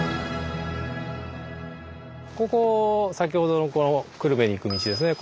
ここ先ほどの久留米に行く道ですね。